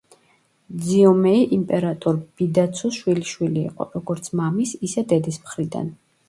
ძიომეი იმპერატორ ბიდაცუს შვილიშვილი იყო, როგორც მამის, ისე დედის მხრიდან.